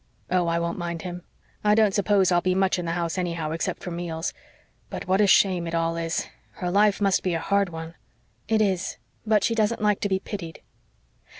"Oh, I won't mind him. I don't suppose I'll be much in the house anyhow, except for meals. But what a shame it all is! Her life must be a hard one." "It is. But she doesn't like to be pitied."